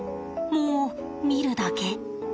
もう見るだけ。